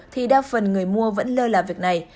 thì đa phần người mua vẫn lơ là việc này